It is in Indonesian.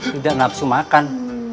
tidak nafsu makan